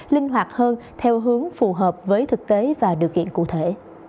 linh hoạt hơn theo hướng phù hợp với thực tế và điều kiện cụ thể